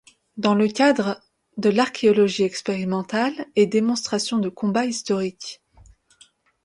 Dans le cadre le l'archéologie expérimentale et démonstrations de combats historiques.